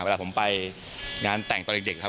เวลาผมไปงานแต่งตอนเด็กครับ